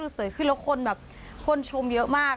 ดูสวยขึ้นแล้วคนชมเยอะมาก